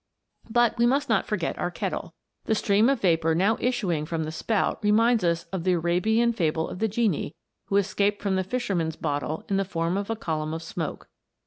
But we must not forget our kettle. The stream WATER BEWITCHED. 159 of vapour now issuing from the spout reminds us of the Arabian fable of the genie, who escaped from the fisherman's bottle in the form of a column of smoke.